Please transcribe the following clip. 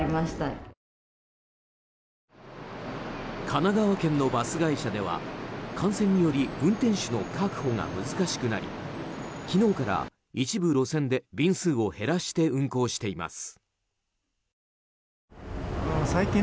神奈川県のバス会社では感染により運転手の確保が難しくなり昨日から一部路線で便数を減らして運行しています。